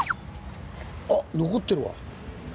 あっ残ってるわ。